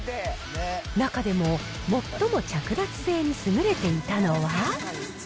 中でも、もっとも着脱性に優れていたのは。